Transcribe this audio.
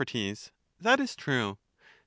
That is true. Sir.